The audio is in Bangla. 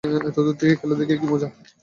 এতদূর থেকে খেলা দেখে কী মজা?